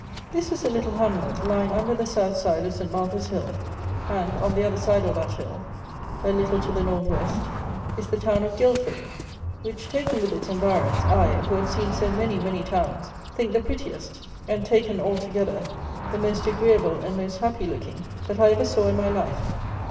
This is a little hamlet, lying under the South side of St. Martha's Hill; and, on the other side of that hill, a little to the North West, is the town of Guilford, which (taken with its environs) I, who have seen so many, many towns, think the prettiest, and, taken, all together, the most agreeable and most happy looking, that I ever saw in my life.